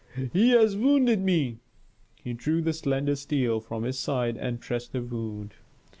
"He has wounded me!" He drew the slender steel from his side and pressed the wound.